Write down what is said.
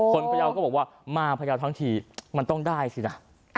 ต้นตะเคียนแฝดก็บอกว่ามาพระเยาทั้งทีมันต้องได้สินะ